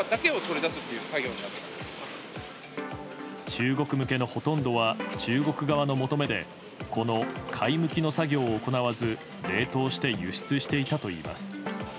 中国向けのほとんどは中国側の求めでこの貝むきの作業を行わず冷凍して輸出していたといいます。